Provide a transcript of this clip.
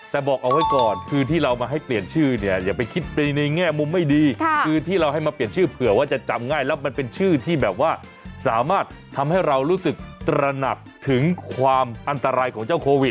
แต่บอกเอาไว้ก่อนคือที่เรามาให้เปลี่ยนชื่อเนี่ยอย่าไปคิดไปในแง่มุมไม่ดีคือที่เราให้มาเปลี่ยนชื่อเผื่อว่าจะจำง่ายแล้วมันเป็นชื่อที่แบบว่าสามารถทำให้เรารู้สึกตระหนักถึงความอันตรายของเจ้าโควิด